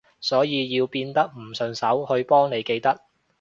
所以要變得唔順手去幫你記得